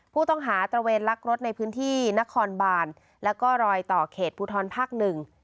ผู้ต้องหาตระเวนลักษณ์รถในพื้นที่นครบานและรอยต่อเขตพุทรภักดิ์๑